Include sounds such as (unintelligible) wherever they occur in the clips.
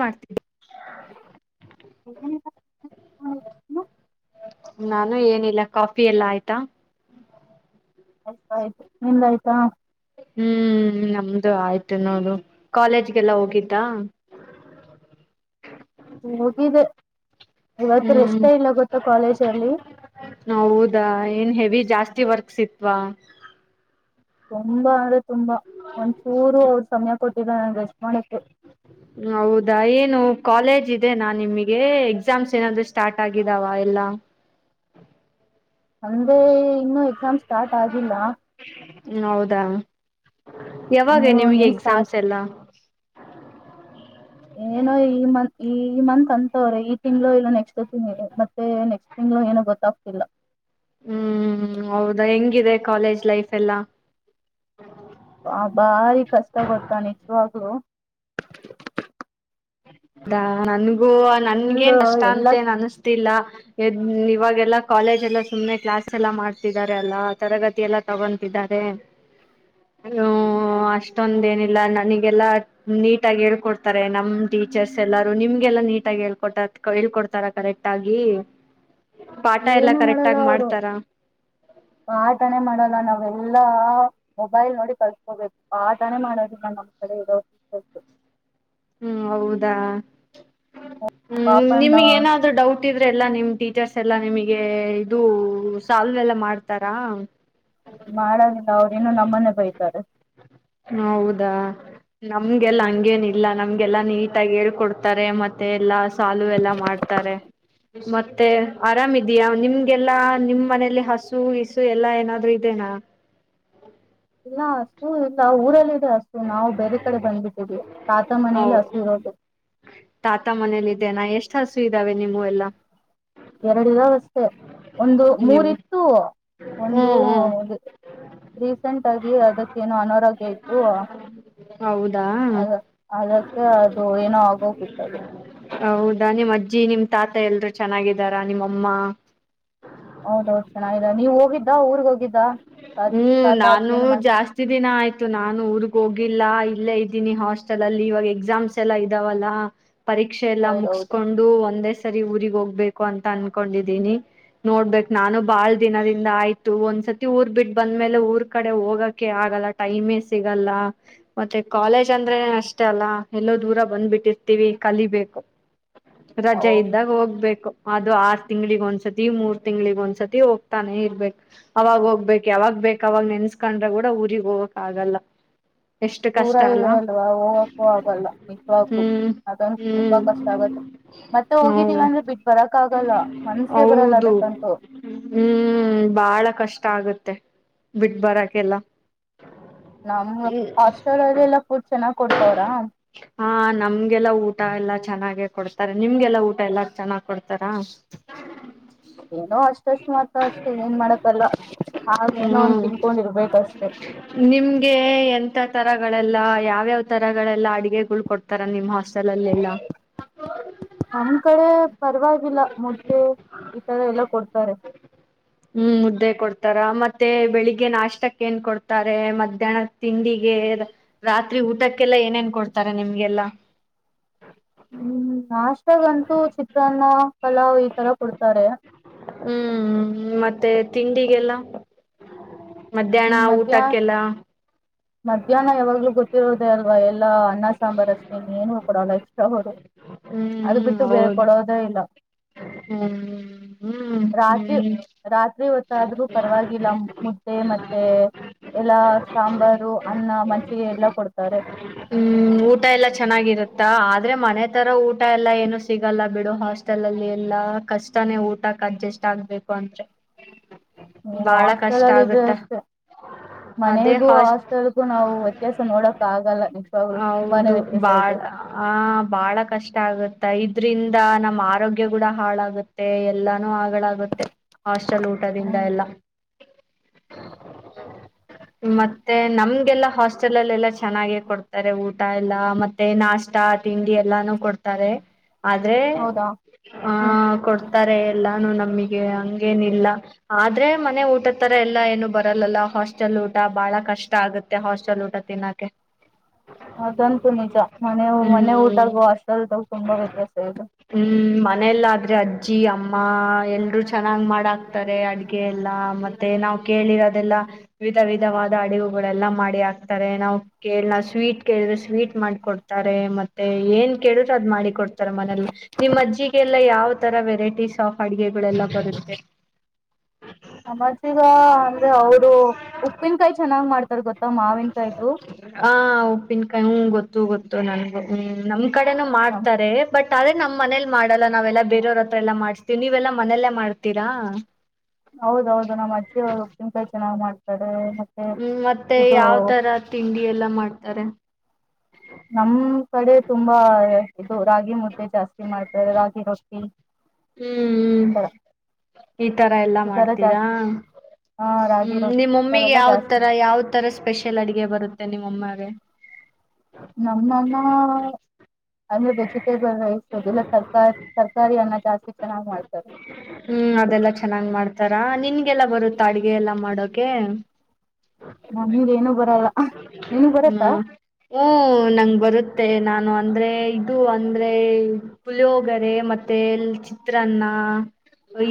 ಮಾಡ್ತೀವಿ ಹ್ಮ ನಾನು ಏನಿಲ್ಲ ಕಾಫಿ ಎಲ್ಲ ಆಯ್ತಾ ಆಯ್ತ ಆಯ್ತು ನಿಂದಾಯ್ತಾ ಹ್ಮ್ ನಮ್ದು ಆಯ್ತು ನೋಡು ಕಾಲೇಜ್ಗೆಲ್ಲ ಹೋಗಿದ್ದಾ ಮೋದದ ಇವತ್ತು ಹ್ಮ್ ರೆಷ್ಟ ಇಲ್ಲ ಗೊತ್ತಾ ಕಾಲೇಜ್ ಅಲ್ಲಿ ಹೌದಾ ಏನ್ ಹೆವಿ ಜಾಸ್ತಿ ವರ್ಕ್ಸ್ ಇತ್ವಾ ತುಂಬಾ ಅಂದ್ರೆ ತುಂಬಾ ಒಂದ್ಚೂರು ಅವರು ಸಮಯ ಕೊಟ್ಟಿಲ್ಲ ನನ್ಗೆ ರೆಸ್ಟ್ ಮಾಡಕ್ಕೆ ಹೌದಾ ಏನು ಕಾಲೇಜ್ ಇದೆನಾಾ ನಿಮಗೆ ಎಕ್ಸಾಮ್ಸ್ ಏನಾದ್ೂ ಸ್ಟಾರ್ಟ್ ಆಗಿದಾವ ಎಲ್ಲಾ ಅಂದೆ ಇನ್ನುೂ ಎಕ್ಸಾಮ್ ಸ್ಟಾರ್ಟ್ ಆಗಿಲ್ಲ ಹ ಹೌದಾ ಯಾವಾಗ ಇನ್ನು ನಿಮಗೆ ಏನ್ ಸ್ಟಾರ್ಟ್ ಎಕ್ಸಾಮ್ಸ್ ಎಲ್ಲಾ ಏನೋ ಈ ಮ ಈ ಮಂತ್ ಅಂತವ್ರೆ ಈ ತಿಂಗ್ಗಳು ಇಲ್ಲ ನೆಕ್ಸ್ಟ್ ತಿಂಗ್ ಮತ್ತೆ ನೆಕ್ಸ್ಟ್ ತಿಂಗ ಏನ ಗೊತ್ತಾಗ್ತಿಲ್ಲ ಹ್ಮ್ ಹೌದಾ ಹೆಂಗಿದೆ ಕಾಲೇಜ್ ಲೈಫ್ ಎಲ್ಲ ಹ ಭಾರಿ ಕಷ್ಟ ಗೊತ್ತಾ ನಿಜವಾಗೂ ಾ ನನ್ಗೂ ಫುಲ್ ನನ್ಗೇನ್ ಕಷ್ಟ ಎಲ್ಲ ಅಂತೇ ಅನ್ಸ್ತಿಲ್ಲ ಎ ಹ್ಮ್ ಇವಾಗೆಲ್ಲಾ ಕಾಲೇಜ್ ಎಲ್ಲಾ ಸುಮ್ಮ್ನೆ ಕ್ಲಾಸ್ ಎಲ್ಲ ಮಾಡ್ತಿದ್ದಾರೆ ಅಲ್ಲಾ ತರಗತಿ ಎಲ್ಲ ತಗೊತಿದ್ದಾರೆ ಹ ಹ್ಮ ಅಷ್ಟೊಂದೇಏನಿಲ್ಲ ನನಗೆಲ್ಲಾ ನೀಟಾಗಿ ಹೇಳ್ಕೊಡ್ತಾರೆ ನಮ ಟೀಚರ್ಸ್ ಎಲ್ಲಾರು ನಿಮ್ಗೆಲ್ಲಾ ನೀಟಾಗಿ ಹೇಳ್ಕೊಟ್ಟ ಹೇಳ್ಕೊಡ್ತಾರ ಕರೆಕ್ಟ್ ಆಗಿ ಪಾಠ ಎಲ್ಲಾ ಏನು ಕರೆಕ್ಟ್ ಮಾಡಲ್ಲ ಆಗಿ ಅವರು ಮಾಡ್ತಾರ ಆಟನೇ ಮಾಡಲ್ಲ ನಾವೆಲ್ಲ ಎಲ್ಲ ಮೊಬೈಲ್ ನೋಡಿ ಕಲ್ಸ್ಕೋಬೇಕು ಆಟಾನೇ ಮಾಡೋದಿಲ್ಲ ನಮ್ಮ್ ಕಡೆ ಇರೋ ೀಚರ್ ಹ್ಮ್ ಹೌದಾ ಪಾಪ ಹ್ಮ್ ನಾವ್ ನಿಮಗ್ ಏನಾದ್ರು ಡೌಟ್ ಇದ್ರೆ ಎಲ್ಲಾ ನಿಮ್ ಟೀಚರ್ಸ್ ಎಲ್ಲಾ ನಿಮಗ್ ಗೆ ಇದು ಸಾಲುವೆಲ್ಲ ಮಾಡ್ತಾರಾ ಮಾಡದಿಲ್ಲ ಅವ್ರ ಇನ್ನ ನಮ್ಮನ್ನೇ ಬೈತಾರ. ಹೌದಾ ನಮ್ಗೆಲ್ಲ ಹಂಗೇನಿಲ್ಲ ನಮ್ ಎಲ್ಲಾ ನೀಟಗಿ ಹೇಳ್ಕೊಡ್ತಾರೆ ಮತ್ತೆ ಎಲ್ಲಾ ಸೊಲ್ವ ಎಲ್ಲ ಮಾಡ್ತಾರೆ. ಮತ್ತೆ ಆರಾಮ ಇದಿಯಾ ನಿಮ್ಗೆಲ್ಲಾ ನಿಮ್ ಮನೇಲಿ ಹಸು ಇಸು ಎಲ್ಲಾ ಏನಾದ್ರು ಇದೆ. ಹಾ (inaudible) ಲಾಸ್ ಹು ನಾವ ಊರಲ್ಲ ಇದ್ರ ಹಸು ನಾವು ಬೇರೆ ಕಡೆ ಬಂದ್ಬಿಟ್ಟಿದೀವಿ ತಾತ ಹೌ ಮನೇಲಿ ಹಸು ಇರೋದು. ತಾತ ಮನೇಲಿ ಇದ್ದೇನಾ ಎಷ್ಟ ಹಸು ಇದ್ದಾವೆ ನಿವು ಎಲ್ಲ ಎರಡ ಇದಾವ ಅಷ್ಟೇ. ಒಂದು ನಿಮ್ ಮೂರಿತ್ತು ಒಂದು ಹ್ಮ್ ಹ್ಮ್ ದು ರಸೆಂಟ್ ಆಗಿ ಅದಕ್ಕೇನು ಅನಾರೋಗ್ಯ ಇತ್ತು. ಹೌದಾ ಅದ ಅದಕ್ಕ ಅದು ಏನೋ ಆಗೋಗಿತ್ತು ಅದು ಹೌದಾ ನಿಮ್ಮ ಅಜ್ಜಿ ನಿಮ್ ತಾತ ಎಲ್ರು ಚೆನ್ನಾಗಿದ್ದಾರಾ ನಿಮ್ಮಮ್ಮ ಹೌದ ಹೌದು ಚೆನ್ನಾಗಿದೆ ನೀವ ಹೋಗಿದ್ದಾ ಊರ್ಗ ಹೋಗಿದ್ದಾ. ಹ್ಮ ನಾನು ಜಾಸ್ತಿ ದಿನ ಆಯ್ತು ನಾನು ಊರ್ ಹೋಗಿಲ್ಲ ಇಲ್ಲೇ ಇದ್ದೀನಿ ಹಾಸ್ಟೆಲ್ ಅಲ್ಲಿ ಇವಾಗ ಎಕ್ಸಾಮ್ಸ್ ಎಲ್ಲಾ ಇದ್ದಾವಲ್ಲ. ಪರೀಕ್ಷೆ ಎಲ್ಲಾ ಹೌದೌದು ಮುಗಸ್ಕೊಂಡು ಒಂದೇ ಸರಿ ಊರಿಗ ಹೋಗ್ಬೇಕು ಅಂತ ಅನ್ಕೊಂಡಿದೀನಿ. ನೋಡ್ಬೇಕ ನಾನು ಬಾಳ ದಿನದಿಂದ ಆಯ್ತು ಒಂದ್ಸತಿ ಊರ್ ಬಿಟ್ಟ ಬಂದ್ಮೇಲೆ ಊರ್ ಕಡೆ ಹೋಗಕೆ ಆಗಲ್ಲ ಟೈಮೇ ಸಿಗಲ್ಲ ಮತ್ತೆ ಕಾಲೇಜ್ ಅಂದ್ರೆ ಅಷ್ ಅಷ್ಟೇ ಅಲ್ಲ ಎಲ್ಲೋ ದೂರ ಬಂದ್ಬಿಟ್ಟಿರ್ತೀವಿ ಕಲಿಬೇಕ. ಹೌ ರಜೆ ಇದ್ದಾಗ ಹೋಗ್ಬೇಕ. ಅದು ಆರ್ತಿಂಗಳಿಗ ಒಂದ್ಸತಿ ಮೂರ ತಿಂಗ್ಳಿಗ ಒಂದ್ಸತಿ ಹೋಗ್ತಾನೆ ಇರ್ಬೇಕು ಅವಾಗ ಹೋಗ್ಬೇಕ. ಯಾವಾಗ ಬೇಕ ಅವಾಗ ನೆನ್ಸ್ಕೊಂಡ್ರೆ ಓಡ ಊರಿಗ್ ಹೋಗಕ್ ಆಗಲ್ಲ. ಎಷ್ಟು ದೂರ ಕಷ್ಟ ಅಲ್ಲ ಇದೆ ಅಲ್ವಾ ಹೋಗಕ್ಕೂ ಆಗಲ್ಲ ನಿಜವಾಗ್ಲಲು ಹ್ಮ್ ಅದೊಂದ ತುಂಬಾ ಹ್ಮ್ ಕಷ್ಟ ಆಗತ್ ಮತ್ತೆ ಹೌ ಹೋಗಿದ್ದೀವ ಅಂದ್ರೆ ಬಿಟ್ಟ ಬರಕ್ ಆಗಲ್ಲ ಮನ್ಸೇ ಬರಲ್ಲ ಅದಕ್ಕಂತೂ ಹ್ಮ್ಬಾಳ ಕಷ್ಟ ಆಗತ್ತೆ ಬಿಟ್ಟ ಬರಕ್ಕೆಲ್ಲ ನಮ್ ಹಾಸ್ಟೆಲ್ ಅಲ್ಲಿ ಎಲ್ಲ ಕೂರ್ಚ ಹಾ ನಮ್ಗೆಲ್ಲ ಊಟ ಎಲ್ಲ ಚೆನ್ನಾಗೆ ಕೊಡ್ತಾರೆ ನಿಮ್ಗೆಲ್ಲಾ ಊಟ ಎಲ್ಲ ಚೆನ್ನಾಗ ಕೊಡ್ತಾರಾ. ಏನೋ ಅಷ್ಟಷ್ಟ ಮಾತ್ರ ಅಷ್ಟೇ ಏನ್ ಮಾಡಕಲ್ಲ ಆ ಏನೋ ಒಂದ ಹ್ಮ್ ತಿನ್ಕೊಂಡಿರ್ಬೇಕಷ್ಟೆ. ನಿಮ್ಗೆ ಎಂತ ತರಗಳೆಲ್ಲ ಯಾವ್ಯಾವ ತರಗಳೆಲ್ಲಾ ಅಡುಗೆಗೋಳ ಕೊಡ್ತಾರ ನಿಮ್ಮ ಹಾಸ್ಟೆಲ್ (inaudible) ನಮ್ ಕಡೆ ಪರವಾಗಿಲ್ಲ ಮುದ್ದೆ ಈ ತರ ಎಲ್ಲ ಕೊಡ್ತಾರೆ. ಹ್ಮ ಮುದ್ದೆ ಕೊಡ್ತಾರ ಮತ್ತೆ ಬೆಳಿಗ್ಗೆ ನಾಷ್ಟಕ್ಕ ಏನ್ ಕೊಡ್ತಾರೆ ಮಧ್ಯಾಹ್ನ ತಿಂಡಿಗೆ ರಾತ್ರಿ ಊಟಕ್ಕೆಲ್ಲ ಏನೇನ್ ಕೊಡ್ತಾರ ನಿಮ್ಗೆಲ್ಲ ಹ್ಮ್ನಾಷ್ಟಾಗಂತೂ ಚಿತ್ರಾನ್ನ ಪಲಾವ್ ಈ ತರ ಕೊಡ್ತಾರೆ. ಹ್ಮ ಮತ್ತೆ ತಿಂಡಿಗೆಲ್ಲ ಮಧ್ಯಾಹ್ನ ಮಧ್ಯಾಹ್ನ ಊಟಕ್ಕೆಲ್ಲ ಮಧ್ಯಾಹ್ನ ಯಾವಾಗ್ಲೂ ಗೊತ್ತಿರೋದೇ ಅಲ್ವಾ ಎಲ್ಲಾ ಅನ್ನ ಸಾಂಬಾರ್ ಅಷ್ಟೇ ಇನ ಏನು ಕೊಡಲ್ಲ ಎಕ್ಸ್ಟ್ರಾ ಅವರು ಅದು ಬಿಟ್ಟು ಬೇರೆ ಕೊಡೋದೇ ಇಲ್ಲ. ಹ್ಮ. ರಾತಿ ರಾತ್ರಿ ಹೊತ್ತಾದ್ರೂ ಪರವಾಗಿಲ್ಲ ಮುದ್ದೆ ಮತ್ತೆ ಎಲ್ಲಾ ಸಾಂಬಾರ್ ದು ಅನ್ನ ಮಜ್ಜಿಗೆ ಎಲ್ಲ ಕೊಡ್ತಾರೆ. ತಾ ಆದ್ರೆ ಮನೆ ತರ ಊಟ ಎಲ್ಲಾ ಏನು ಸಿಗಲ್ಲ ಬಿಡು ಹಾಸ ತಲ್ಲಿ ಎಲ್ಲಾ ಕಷ್ಟಾನೇ ಊಟಕ ಅಡ್ಜಸ್ಟ್ ಆಗ್ಬೇಕು ಅಂದ್ರೆ ಹ್ಮ ಬಾಳ ಹಾಸ್ಟೆಲ್ ಕಷ್ಟ ಅಲ್ಲಿ ಇದ್ರೆ ಆಗುತ್ತ ಅಷ್ಟೇ. ಅದೇ ಮನೆಗೂ ಹಾಸ್ ಹಾಸ್ಟೆಲ್ಗೂ ನಾವು ವ್ಯತ್ಯಾಸ ನೋಡಕ್ ಆಗಲ್ಲ ನಿಜವಾಗ್ಲು ತುಂಬಾನೇ ಹೌದು ವ್ಯತ್ಯಾಸ ಬಾಳ ಇದೆ. ಆ ಬಾಳ ಕಷ್ಟ ಆಗುತೈದ್ ಇದ್ರಿಂದ ನಮ್ ಆರೋಗ್ಯ ಕೂಡ ಹಾಳಾಗುತ್ತೆ ಎಲ್ಲಾನು ಆಗಳಾಗುತ್ತೆ. ಹಾಸ್ಟೆಲ್ ಊಟದಿಂದ ಹ್ಮ್ ಎಲ್ಲ. (inaudible) ಮತ್ತೆ ನಮ್ಗೆಲ್ಲಾ ಹಾಸ್ಟೆಲ್ ಅಲ್ಲ ಎಲ್ಲಾ ಚೆನ್ನಾಗೆ ಕೊಡ್ತಾರೆ ಊಟ ಎಲ್ಲಾ ಮತ್ತೆ ನಾಷ್ಟಾ. ತಿಂಡಿ ಎಲ್ಲಾನು ಕೊಡ್ತಾರೆ ಆದ್ರೆ ಹೌದಾ ಆ ಹ್ಮ್ ಕೊಡ್ತಾರೆ. ಎಲ್ಲಾನು ನಮಿಗೆ ಹಂಗೇನ್ ಇಲ್ಲ ಆದ್ರೆ ಮನೆ ಊಟದ್ ತರ ಎಲ್ಲಾ ಏನು ಬರಲ್ಲಲ್ಲ ಹಾಸ್ಟೆಲ್ ಊಟ ಬಹಳ ಕಷ್ಟ ಆಗುತ್ತೆ ಹಾಸ್ಟೆಲ್ ಊಟ ತಿನ್ನಕೆ. ಅದಂತು ನಿಜ ಮನೆ ಮನೆ ಹ್ಮ್ ಊಟಾಗು ಹಾಷ್ಟೆಲ್ದಾಗ್ ತುಂಬಾ ವ್ಯತ್ಯಾಸ ಇದೆ. ಹ್ಮ್ ಮನೆಲ್ ಆದ್ರೆ ಅಜ್ಜಿ ಅಮ್ಮ ಎಲ್ಲರೂ ಚೆನ್ನಾಗ್ ಮಾಡ್ ಹಾಕ್ತಾರೆ ಅಡ್ಗೆ ಎಲ್ಲ. ಮತ್ತೆ ನಾವ್ ಕೇಳಿರೋದೆಲ್ಲ ವಿದ ವಿದವಾದ ಅಡಿವುಗಳೆಲ್ಲ ಮಾಡಿ ಹಾಕ್ತಾರೆ ನಾವು ಕೇಳ್ ಆ ಸ್ವೀಟ್ ಕೇಳಿದ್ರೆ ಸ್ವೀಟ್ ಮಾಡಕೊಡ್ತಾರೆ ಮತ್ತೆ ಏನ್ ಕೇಳಿದ್ರೆ ಅದ್ ಮಾಡಿ ಕೊಡ್ತಾರೆ ಮನೇಲಿ. ನಿಮ್ಮ್ ಅಜ್ಜಿಗೆಲ್ಲಾ ಯಾವ್ ತರ ವೆರೈಟೀಸ್ ಆಫ್ ಅಡುಗೆಗಳೆಲ್ಲ ಬರುತ್ತೆ. ನಮ್ಮಾಜಿಗ ಅಂದ್ರೆ ಅವ್ರು ಉಪ್ಪಿನಕಾಯಿ ಚೆನ್ನಾಗ್ ಮಾಡ್ತಾರ ಗೊತ್ತಾ ಮಾವಿನ್ಕಾಯ್ದು. ಹ ಉಪ್ಪಿನಕಾಯ್ ಹೂ ಗೊತ್ತು ಗೊತ್ತು ನನ್ಗು ಹ್ಮ್ ನಮ್ ಕಡೆನೂ ನಮ್ ಮಾಡ್ತಾರೆ ಬಟ್. ಆದ್ರೆ ನಮ್ ಮನೇಲಿ ಮಾಡಲ್ಲ ನಾವೆಲ್ಲ ಬೇರೆಯವ್ರ ಹತ್ರ ಎಲ್ಲ ಮಾಡಸ್ತೀವಿ ನೀವೆಲ್ಲಾ ಮನೆಯಲ್ಲೇ ಮಾಡ್ತೀರಾ. ಹೌದೌದು ನಮ್ಮ ಅಜ್ಜಿಯವ್ರು ಉಪ್ಪಿನ್ಕಾಯ್ ಚೆನ್ನಾಗ್ ಮಾಡ್ ಹ್ಮ್ ಮತ್ತೆ ಯಾವ್ ತರ ತಿಂಡಿ ಎಲ್ಲ ಮಾಡ್ತಾರೆ. ನಮ್ ಕಡೆ ತುಂಬಾ ಇದು ರಾಗಿ ಮುದ್ದೆ ಜಾಸ್ ಇದ್ ಮಾಡ್ತಾರೆ ರಾಗಿ ರೊಟ್ಟಿ ಹ್ಮ್ ಹ್ಮ್ ಈ ತರ. ಈ ತರ ಎಲ್ಲಾ ಈ ತರ ಮಾಡ್ತೀರಾ. ಜಾಸ್ತಿ ಹ ರಾಗಿ ಹ್ಮ್ ರೊಟ್ಟಿ ನಿಮ್ಮಮ್ಮಿಗೆ ಇಂಥವೆಲ್ಲಾ ಯಾವ್ ಜಾಸ್ತಿ ತರ ಯಾವ್ ತರ ಸ್ಪೆಷಲ್ ಅಡ್ಗೆ ಬರುತ್ತೆ ನಿಮ್ಮಮ್ಮಾಗೆ. ನಮ್ ಅಮ್ಮ ಅಂದ್ರೆ ವೆಜಿಟೇಬಲ್ ರೈಸ್ ಅ ಇಲ್ಲ ತರ್ಕಾರಿ ತರ್ಕಾರಿ ಅನ್ನ ಜಾಸ್ತಿ ಚೆನ್ನಾಗ್ ಮಾಡ್ತಾರೆ. ಹ್ಮ್ ಅದೆಲ್ಲಾ ಚೆನ್ನಾಗ್ ಮಾಡ್ತಾರ ನಿನ್ಗೆಲ್ಲ ಬರುತ್ತಾ ಅಡ್ಗೆ ಎಲ್ಲಾ ಮಾಡೋಕೆ. ನಮಗೇನು ಬರಲ್ಲ (unintelligible) ನಿನಗ್ ಮ ಬರತ್ತಾ ಹ್ಮ ನಂಗ್ ಬರುತ್ ತ್ತೆ ನಾನು ಅಂದ್ರೆ. ಇದು ಅಂದ್ರೆ ಪುಳಿಯೋಗರೆ ಮತ್ತೆಲ್ ಚಿತ್ರಾನ್ನ.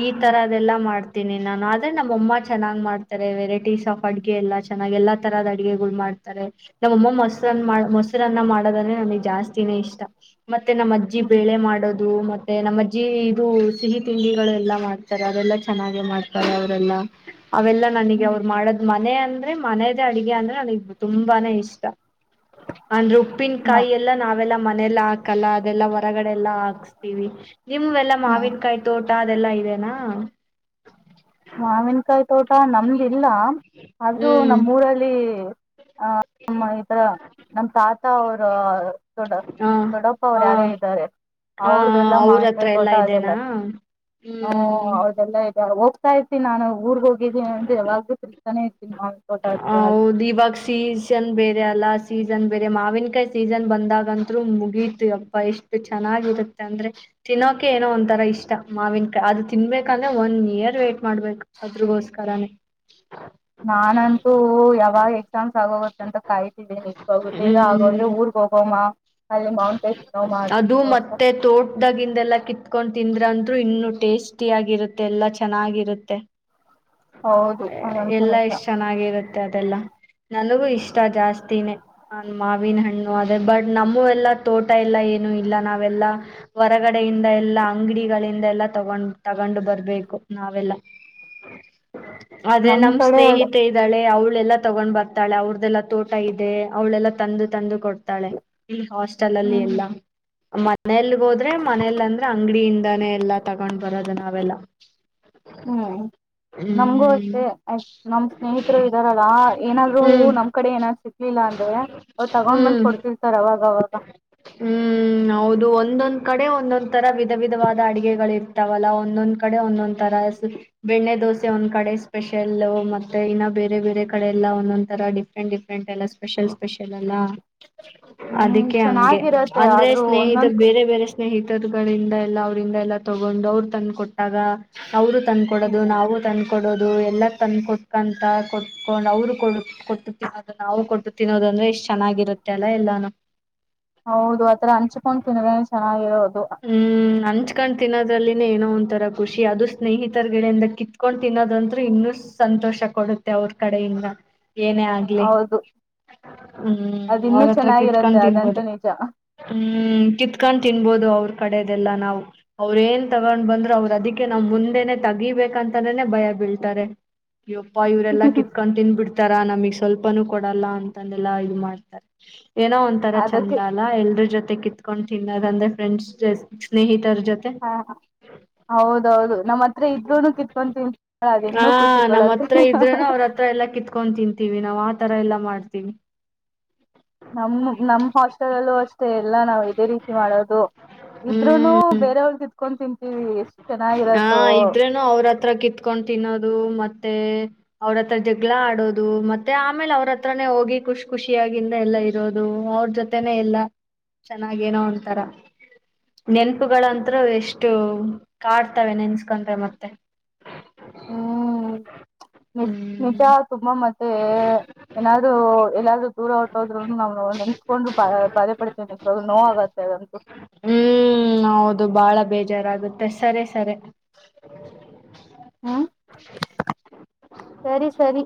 ಈ ಹ್ಮ್ ತರದೆಲ್ಲಾ ಮಾಡ್ ತಿನಿ ನಾನು ಆದ್ರೆ ನಮ್ಮ ಅಮ್ಮ ಚೆನ್ನ್ ಮಾಡ್ತಾರೆ ವೆರೈಟೀಸ್ ಆಫ್ ಅಡ್ಗೆ ಎಲ್ಲ ಚೆನ್ನಾಗಿ ಎಲ್ಲಾ ತರಹದ ಅಡ್ಗೆಗಳು ಮಾಡ್ ತಾರೆ ನಮ್ಮಮ್ಮ ಮೊಸರನ್ನ ಹ್ಮ್ ಮೊಸರನ್ನ ಮಾಡೋದೆ ನನಿಗ್ ಜಾಸ್ತಿನೇ ಇಷ್ಟ. ಮತ್ತೆ ನಮ್ ಅಜ್ಜಿ ಬೇಳೆ ಮಾಡೋದು ಮ ಮತ್ತೆ ನಮ್ಮ್ ಅಜ್ಜಿ ಇದು ಸಿಹಿ ತಿಂಡಿಗಳು ಎಲ್ಲಾ ಮಾಡ್ತಾರೆ ಅವೆಲ್ಲಾ ಚೆನ್ನಾಗೆ ಮಾಡ್ತಾರೆ ಅವ್ರೆಲ್ಲ. ಅವೆಲ್ಲ ನನಗೆ ಅವ್ರು ಹ್ಮ್ ಮಾಡದ್ ಮನೆ ಅಂದ್ರೆ ಮನೆದೆ ಅಡ್ಗೆ ಅಂದ್ರೆ ನನಗ್ ತುಂಬಾನೇ ಇಷ್ಟ. ಅಂದ್ರೆ ಹ್ಮ್ ಉಪ್ಪಿನಕಾಯಿ ಎಲ್ಲ ನಾವೆಲ್ಲಾ ಮನೆಲ್ಲ ಹಾಕಲ್ಲ ಅದೆಲ್ಲಾ ಹೊರಗಡೆ ಎಲ್ಲಾ ಹಾ ಹಸ್ತಿವಿ ನಿವ್ ಎಲ್ಲಾ ಹ್ಮ್ ಮಾವಿನ್ಕಾಯ್ ತೋಟ ಅದೆಲ್ಲಾ ಇದೆನಾ. ಮಾವಿನ್ಕಾಯ್ ತೋಟ ನಮ್ದಿಲ್ಲ ಆದ್ರೂ ಹ್ಮ್ ನಮ್ ಊರಲ್ಲಿ. ಆ ನಮ್ ಮೈದ ನಮ್ ತಾತ ಅವ್ರ. ದೊಡ ಹ ದೊಡಪ್ಪ ಅವ್ರು ಹ ಯಾರೋ ಇದ್ದಾರೆ. ಹ ಅವ್ರದೆಲ್ ಅವ್ರ ಮಾವನ್ಕಾಯ್ ಹತ್ರ ತೋಟ ಎಲ್ಲಾ ಅದೆಲ್ಲ ಇದೆನಾ? ಹ ಹ್ಮ್ ಅವ್ರದೆಲ್ಲ ಇದೇವ್ ಹೋಗ್ ತಾ ಇರ್ತಿನ ನಾನು ಊರ್ ಹೋಗಿದ್ದನಿ ಅಂದ್ರೆ ಯಾವಾಗಲೂ ತಿರ್ತನೆ. ಹೌದ್ ಇವಾಗ್ ಸೀಸನ್ ಬೇರೆ ಅಲ್ಲ ಸಿ ಸೀಸನ್ ಬೇರೆ ಮಾವಿನಕಾಯ್ ಸೀಸನ್ ಬಂದಾಗಂತು ಮುಗೀತ ಯಪ್ಪ ಎಷ್ಟು ಚೆನ್ನಾಗಿರುತ್ ಅಂದ್ರೆ. ತಿನ್ನೋಕೆ ಏನೋ ಒಂತರ ಇಷ್ಟ ಮಾವಿನ ಕಾಯಿ ಅದು ತಿನ್ಬೇಕಂದ್ರೆ ಒನ್ ಇಯರ್ ವೇ್ಟಟ್ ಮಾಡ್ಬೇಕು ಅದ್ರಗೋಸ್ ಕರನೆ (inaudible) ನಾನಂತೂ ಯಾವಾಗ್ ಎಕ್ಸಾಮ್ಸ್ ಆಗೋಗುತ್ತ ಅಂತ ಕಾಯ್ತಿದಿನಿ ನಿಜ್ವಾಗ್ಲೂ ಬೇಗ ಆಗೋದ್ರೆ ಹ್ಮ್ ಊರ್ಗ್ ಹೋಗೋಮ್ಮ. ಅದು ಅಂತ ಮತ್ತೆ ತೋಟದಾಗಿಂದೆಲ್ಲಾ ಕಿತ್ಕೊಂಡ್ ತಿಂದ್ರ ಅಂತು. ಇನ್ನು ಟೇಸ್ಟಿ ಆಗಿರುತ್ತೆ ಎಲ್ಲಾ ಚೆನ್ನಾಗಿರುತ್ತೆ. ಹೌದು ಅದಂತೂ ಎಲ್ಲ ನಿಜ ಎಷ್ಟ್ ಚೆನ್ನಾಗಿರುತ್ತೆ ಅದೆಲ್ಲ ನನಗೂ ಇಷ್ಟ ಜಾಸ್ತಿನೇ ನ ಮಾವಿನ ಹಣ್ಣು ಅದೇ ಬಟ್ ನಮ್ಮ ಎಲ್ಲ ತೋಟ ಎಲ್ಲ ಏನು ಇಲ್ಲ ನಾವೆಲ್ಲ ಹೊರಗಡೆಯಿಂದ ಎಲ್ಲಾ ಅಂಗಡಿಗಳಿಂದ ಎಲ್ಲ ತಗೊಂಡ್ ತಗೊಂಡು ಬರ್ಬೇಕು ನಾವೆಲ್ಲಾ (unintelligible) ಅದೇ ನಮ್ ನಮ ಕಡೆ ಅದೇ ಸ್ನೇಹಿತ ಇದ್ದಾಳೆ ಅವಳ ಅವಳೆಲ್ಲಾ ತಗೊಂಡ್ ಬರ್ತಾಳೆ ಅವ್ರ್ದೆಲ್ಲಾ ತೋಟ ಇದೆ ಅವ್ಳೆಲ್ಲಾ ತಂದು ತಂದು ಕೊಡ್ತಾಳೆ ಇ ಹಾಸ್ಟೆಲ್ ಅಲ್ಲಿ ಹ್ಮ್ ಎಲ್ಲ ಮನಲ್ಗ ಹೋದ್ರೆ ಮನೇಲಿ ಅಂದ್ರೆ ಅಂಗಡಿಯಿಂದಾನೆ ಎಲ್ಲಾ ತಗೊಂಡ್ ಬರದ ನಾವೆಲ್ಲ ಹ್ಮ್ ನಮ್ಗೂ ಹ್ಮ್ ಅಷ್ಟೇ ನಮ್ ಸ್ನೇಹಿತರು ಇದ್ದಾರಲ್ಲ ಏನಾದರು ಹ್ಮ್ ನಮ್ ಕಡೆ ಏನಾದ್ರು ಸಿಕ್ಲಿಲ್ಲ ಅವ್ ಹ್ಮ್ ತಗೊಂಡ್ ಬಂದ್ ಹ್ಮ್ ಕೊಡ್ತೀರ್ ಸರ್ ಅವಾಗ ಅವಾಗ ಹ್ಮ್ ಹೌದು ಒಂದೊ ಕಡೆ ಒಂದೊಂದ್ ತರ ವಿಧ ವಿಧವಾದ ಅಡಗೆಗಳು ಇರ್ತಾವಲ್ಲ ಒಂದೊಂದ್ ಕಡೆ ಒಂದೊಂದ್ ತರ ಬೆಣ್ಣೆ ದೋಸೆ ಒಂದ್ ಕಡೆ ಸ್ಪೆಷಲ್ ಮತ್ತೆ ಇನ್ನ ಬೇರೆ ಬೇರೆ ಕಡೆ ಎಲ್ಲ ಒಂದೊಂದ್ ತರ ಡಿಫ್ರೆಂಟ್ ಡಿಫ್ರೆಂಟ್ ಎಲ್ಲ ಸ್ಪೆಷಲ್ ಸ್ಪೆಷಲ್ ಅಲ್ಲ ಹ್ಮ್ ಅದಕ್ಕೆ ಹಂಗೆ ಚೆನ್ನಾಗಿರತ್ತೆ ಅಂದ್ರೆ ಆದ್ರೂ ಸ್ನೇಹಿತರು ಒಂದೊಂದ್ ಬೇರೆ ಬೇರೆ ಸ್ನೇಹಿತರುಗಳಿಂದ ಎಲ್ಲಾ ಅವ್ರಂದ ಎಲ್ಲ ತಗೊಂಡು ಅವರು ತಂದ ಕೊಟ್ಟಾಗ ಅವರು ತಂದ್ಕೊಡೋದು ಹ್ಮ್ ನಾವು ತಂದ್ಕೊಡೋದು ಎಲ್ಲ ತಂದ ಕೊಟ್ಕಂತ ಕೊಟ್ಟಕೊಂಡು ಅವರು ಕೊಟ್ಟು ತಿನ್ನೋದು ನಾವು ಕೊಟ್ಟು ತಿನ್ನೋದು ಅಂದ್ರೆ ಇಷ್ಟ ಚೆನ್ನಾಗಿರುತ್ತೆ ಅಲ್ಲ ಎಲ್ಲಾನು ಹೌದು ಆತರ ಹಂಚ್ಕೊಂಡು ತಿಂದ್ರೆ ಚೆನ್ನಾಗಿರೋದು ಕಿತ್ಕೊಂಡ್ ತಿನ್ನೋದ್ರಲ್ಲಿಏನೋ ಒಂಥರ ಖುಷಿ ಅದು ಸ್ನೇಹಿತರ ಗಡೆಯಿಂದ ಕಿತ್ಕೊಂಡ್ ತಿನ್ನದಂತೂರು ಇನ್ನು ಸಂತೋಷ ಕೊಡುತ್ತೆ ಅವ್ರ ಕಡೆಯಿಂದ ಏನೇ ಆಗ್ಲಿ ಹೌದು ಹ್ಮ್ ಅದ ಇನ್ನೂ ಅವ್ರತ್ರ ಕೆ ಚೆನ್ನಾಗಿರತ್ತೆ ಹ್ಮ ಅದಂತೂ ನಿಜ ಕಿತ್ಕೊಂಡ ತಿನ್ಬೋದು ಅವ್ರ ಕ ದೆಲ್ಲ ನಾವು ಅವ್ರ ಏನ್ ತಗೊಂಡ್ ಬಂದ್ರರು ಅವ್ ಅದಿಕ್ಕೆ ನಾ್ ಮುಂದೆನನೆ ತೆಗಿಬೇಕಂತಾನನೆ ಭಯ ಬಿಟ್ಟು ಹೇಳ್ತಾರೆ ಇಪ್ಪ ಇವ್ರರೆಲ್ಲಾ ಕಿತ್ಕೊಂಡ್ ತಿನ್ಬಿಡ್ರೆ ತರ ನಮಗ್ ಸ್ವಲ್ಪನುೂ ಕೊಡಲ್ಲ ಅಂತಾನೆಲ್ಲಾ ಇದು ಮಾಡ್ತಾರೆ ಏನೋ ಒಂ ತರ ಚಂದ ಅದಕ್ಕೆ ಅಲ್ಲ ಎಲ್ರ ಜೊತೆ ಕಿತ್ಕೊಂಡ್ ತಿನ್ನೋದ ಅಂದ್ರೆ ಫ್ರೆಂಡ್ಸ್ ಸ್ನೇಹಿತ ತರ ಜೊತೆ ಹ ಹೌದೌದು ನಮ್ಮ್ ಹತ್ರ ಇದ್ರೂನು ಕಿತ್ಕೊ ತಿನ್ ಅದ ಇನ್ನು ಖುಷಿ ಕೊಡಂತೆ ಎಲ್ಲ ಕಿತ್ಕೊಂಡ್ ತಿಂತೀವಿ ನಾವವು ಆತರ ಎಲ್ಲಾ ಮಾಡ್ತೀವಿ ನಮ್ಮ ನಮ ಹಾಸ್ಟೆಲ್ ಅಲ್ಲೂ ಅಷ್ಟೇ ಎಲ್ಲಾ ನಾವ್ ಇದೇ ರೀತಿ ಮಾಡೋದು ಇದ್ನು ಹ್ಮ್ ಬೇರವ್ರ ತ ತಿತ್ಕೊಂಡು ತಿಂತ ಹಾ ಇದ್ರೇನು ಅವ್ರ ಹತ್ರ ಕಿತ್ಕೊಂಡ್ ತಿನ್ ಮತ್ತೆ ಅವ್ರತ್ರ ಜಗಳ ಆಡೋದು ಮತ್ತೆ ಆಮೇಲೆ ಅವ್ರ ಹತ್ರೇ ಹೋಗಿ ಖುಷಿ ಖುಷಿ ಯಾಗಿಂದ ಎಲ್ಲಾ ಇರೋದು ಅವ್ರ ಜೊತೆನೆೇ ಎಲ್ಲಾ ಚೆನ್ನಾಗೇನೋ ಅಂತಾರ ನೆನಪುಗಳಂತರುೂ ಎಷ್ಟು ಕಾಡ್ತವೆ ನೆನ್ಸ್ಕೊಂಡ್ರೆ ಮತ್ತೆ ಹ್ಮ್ ನಿ ನಿಜ ಹ್ಮ್ ತುಂಬಾ ಮತ್ತೆ ಏನಾದುಎಲ್ಲಾದೂ ದೂರ ಹೊಟ್ಟೋದ್ರು ನಾನೆನ್ಸ್ಕೊಂಡ ತೊಂಡ ಪದ ಪಡ್ತೇನೆ ನೋ ಆಗತ್ತೆ ಅದಂತೂ ಹ್ಮ್ ಹೌದು ಬಾಳ ಬೇಜಾರಾಗುತ್ತೆ ಸರಿ ಸರಿ ಹ್ಮ್ ಸರಿ ಸರಿ